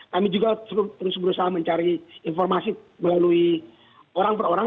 kami juga terus berusaha mencari informasi melalui orang per orang